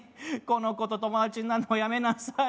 「この子と友達になるのやめなさい